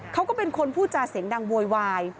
เขาก็เป็นคนพูดจาเสียงดังโวยวาย